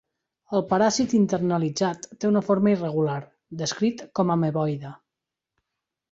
El paràsit internalitzat té una forma irregular, descrit com ameboide.